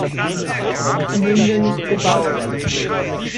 Münden gebaut.